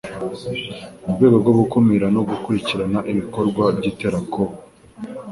Mu rwego rwo gukumira no gukurikirana ibikorwa by'iterabwoba